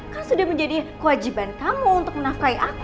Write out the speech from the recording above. kan sudah menjadi kewajiban kamu untuk menafkai aku